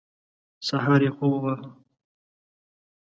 سهار یې خوب وواهه.